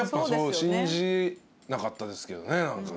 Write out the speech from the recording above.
信じなかったですけどね何かね。